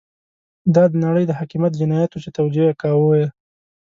دا د نړۍ د حاکميت جنايت وو چې توجیه يې کاوه.